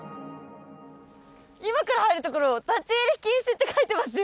今から入るところ立ち入り禁止って書いてますよ。